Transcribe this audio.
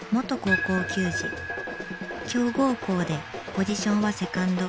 強豪校でポジションはセカンド。